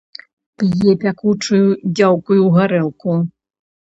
П'е пякучую, даўкую гарэлку.